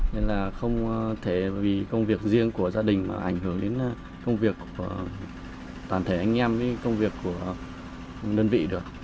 nên là không thể vì công việc riêng của gia đình mà ảnh hưởng đến công việc của toàn thể anh em công việc của đơn vị được